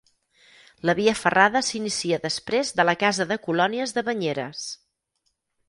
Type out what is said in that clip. La Via Ferrada s'inicia després de la casa de colònies de Banyeres.